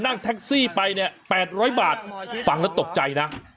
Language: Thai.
นั่งไปเนี่ยแปดร้อยบาทฟังแล้วตกใจนะ